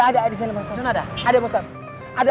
ada ada yang ada arah disana bang ustadz